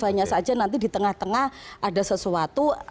hanya saja nanti di tengah tengah ada sesuatu